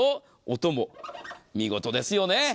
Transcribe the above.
音も見事ですよね。